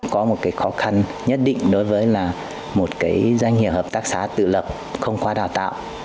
có một cái khó khăn nhất định đối với là một cái doanh nghiệp hợp tác xã tự lập không qua đào tạo